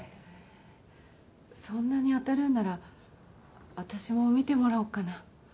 そんなに当たるんなら私も見てもらおうかな？